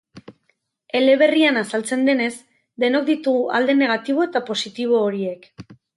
Eleberrian azaltzen denez, denok ditugu alde negatibo eta positibo horiek.